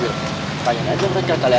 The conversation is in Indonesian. tanya aja mereka